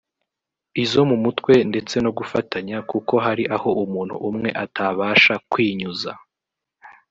izo mu mutwe ndetse no gufatanya kuko hari aho umuntu umwe atabasha kwinyuza